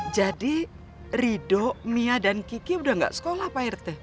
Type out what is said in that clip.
jadi rido mia dan kiki udah gak sekolah pak erte